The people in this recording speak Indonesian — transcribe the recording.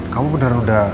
kamu benar benar udah